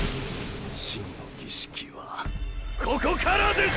真の儀式はここからです！